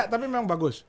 ya tapi memang bagus